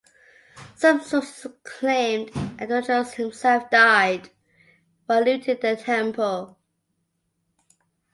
Some sources claimed Antiochus himself died while looting a temple.